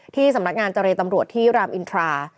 ที่สำนักงานเจรตำรวจที่รามอินทรา